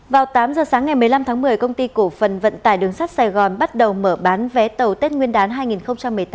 vào tám giờ sáng ngày một mươi năm tháng một mươi công ty cổ phần vận tải đường sắt sài gòn bắt đầu mở bán vé tàu tết nguyên đán hai nghìn một mươi tám